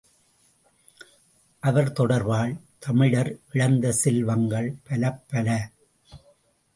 அவர் தொடர்பால் தமிழர் இழந்த செல்வங்கள் பலப்பல.